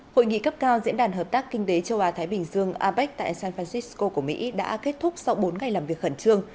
hội nghị cấp cao diễn đàn hợp tác kinh tế châu á thái bình dương apec tại san francisco của mỹ đã kết thúc sau bốn ngày làm việc khẩn trương